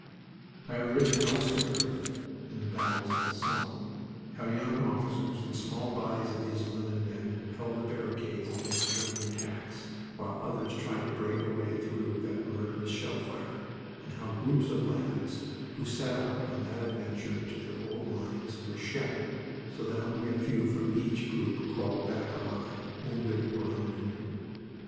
I have written elsewhere (in The Battles of the Somme) how young officers and small bodies of these London men held the barricades against German attacks while others tried to break a way back through that murderous shell fire, and how groups of lads who set out on that adventure to their old lines were shattered so that only a few from each group crawled back alive, wounded or unwounded.